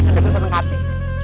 dan aku seneng hati